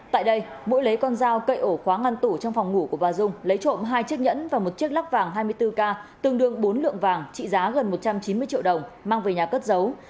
tại đây mỗi lấy con dao cậy ổ khóa ngăn tủ trong phòng ngủ của bà dung lấy trộm hai chiếc nhẫn và một chiếc lắc vàng hai mươi bốn k tương đương bốn lượng vàng trị giá gần một trăm chín mươi triệu đồng mang về nhà cất giấu